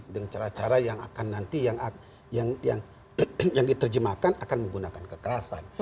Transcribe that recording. dengan cara cara yang akan nanti yang diterjemahkan akan menggunakan kekerasan